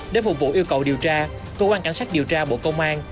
để phục vụ yêu cầu điều tra cơ quan cảnh sát điều tra bộ công an